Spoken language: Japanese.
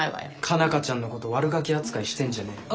佳奈花ちゃんのことワルガキ扱いしてんじゃねえよ。